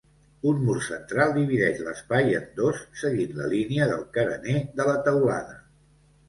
Un mur central divideix l'espai en dos seguint la línia del carener de la teulada.